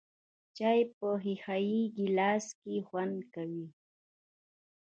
چای په ښیښه یې ګیلاس کې خوند کوي .